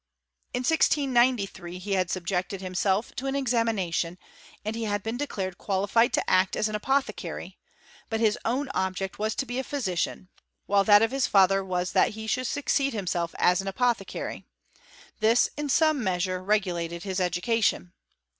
In 1693 h« had subjected himself to an examination, and he had been declared quoiilied to act as an apothecary ; but his own object was to be a physician, while that of his father was that he should succeed himself as an apothecary : this in some measure regulated his education.